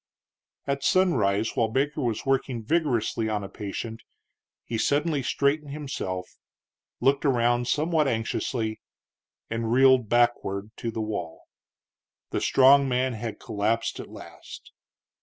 At sunrise, while Baker was working vigorously on a patient, he suddenly straightened himself, looked around somewhat anxiously, and reeled backward to the wall. The strong man had collapsed at last.